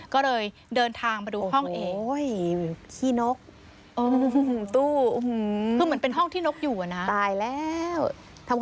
ก็เลยเดินทางมาดูห้องเอง